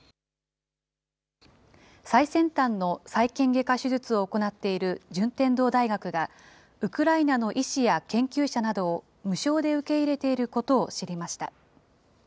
最先端の再建外科手術を行っている順天堂大学が、ウクライナの医師や研究者などを無償で受け入れていることを知りました。